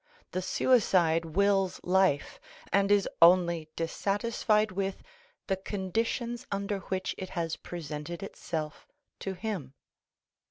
The suicide wills life, and is only dissatisfied with the conditions under which it has presented itself to him.